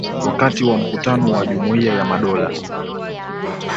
wakati wa mkutano wa Jumuiya ya Madola